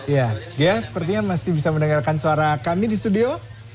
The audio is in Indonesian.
ya ghea sepertinya masih bisa mendengarkan suara kami di studio